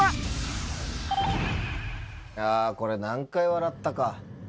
これ何回笑ったか。